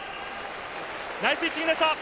ナイスピッチングでした！